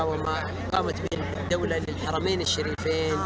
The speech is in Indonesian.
dari negara negara haram dan syarif